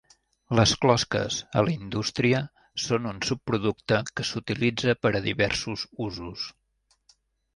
Les closques, a la indústria, són un subproducte que s'utilitza per a diversos usos.